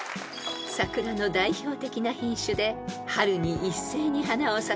［桜の代表的な品種で春に一斉に花を咲かせる］